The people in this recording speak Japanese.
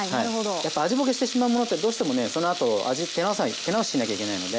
やっぱ味ぼけしてしまうものってどうしてもねそのあと味手直ししなきゃいけないので。